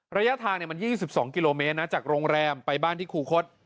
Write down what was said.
ระยะทางมัน๒๒กิโลเมตรนะจากโรงแรมไปบ้านที่ครูคต